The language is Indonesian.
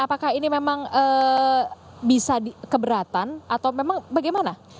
apakah ini memang bisa keberatan atau memang bagaimana